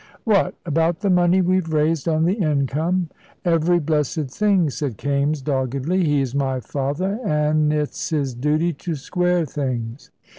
"What, about the money we've raised on the income?" "Every blessed thing," said Kaimes, doggedly; "he's my father, an' it's his duty to square things."